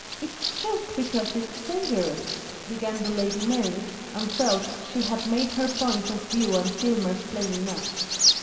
"It's just because it's dangerous," began the Lady Mary, and felt she had made her point of view and Filmer's plain enough.